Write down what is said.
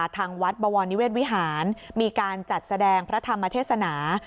ทางวัดบวรนิเวศวิหารมีการจัดแสดงพระธรรมเทศนา